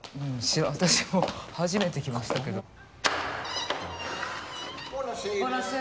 私も初めて来ましたけど。